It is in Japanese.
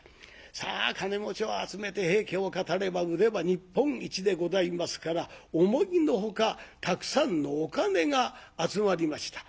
さあ金持ちを集めて「平家」を語れば腕は日本一でございますから思いの外たくさんのお金が集まりました。